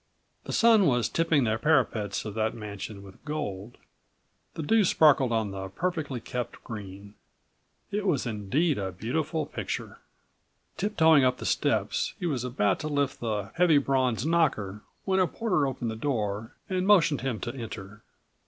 The sun was tipping the parapets of that mansion with gold; the dew sparkled on the perfectly88 kept green. It was indeed a beautiful picture. Tiptoeing up the steps, he was about to lift the heavy bronze knocker when a porter opened the door and motioned him to enter.